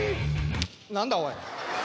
何だおい。